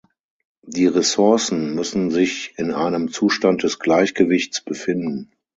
Die Ressourcen müssen sich in einem Zustand des Gleichgewichts befinden.